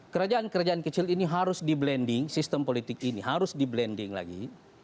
kerajaan kerajaan kecil ini harus di blending sistem politik ini harus di blending lagi